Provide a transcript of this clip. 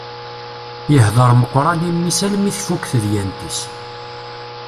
Yehder meqqran i mmi-s almi tfukk tedyant-is.